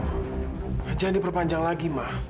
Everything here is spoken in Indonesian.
jangan diperpanjang lagi ma